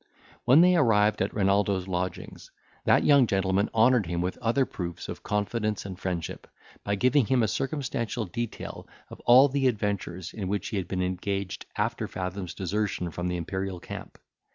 When they arrived at Renaldo's lodgings, that young gentleman honoured him with other proofs of confidence and friendship, by giving him a circumstantial detail of all the adventures in which he had been engaged after Fathom's desertion from the imperial camp.